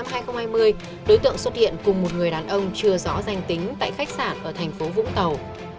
ngày một mươi tám tháng một mươi một năm hai nghìn hai mươi đối tượng xuất hiện cùng một người đàn ông chưa rõ danh tính tại khách sạn ở thành phố vũng tàu